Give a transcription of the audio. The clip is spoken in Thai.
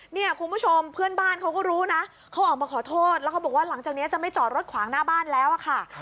เนี่ยคุณผู้ชมเพื่อนบ้านเขาก็รู้นะเขาออกมาขอโทษแล้วเขาบอกว่าหลังจากนี้จะไม่จอดรถขวางหน้าบ้านแล้วอะค่ะ